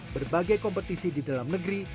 berbagai kompetisi di dalam negeri